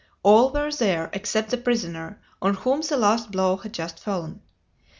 All were there, except the prisoner, on whom the last blow had just fallen.